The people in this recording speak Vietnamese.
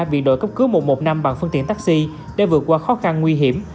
bị đội cấp cứu một trăm một mươi năm bằng phương tiện taxi để vượt qua khó khăn nguy hiểm